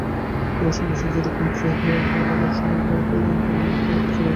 তোমার সন্ন্যাসীর যেরকম চেহারা গলা এবং আসবাবের প্রয়োজন আমার তো তার কিছুই নেই।